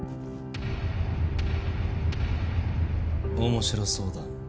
面白そうだ。